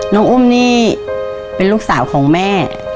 น้องอุ้มนี่เป็นลูกสาวของแม่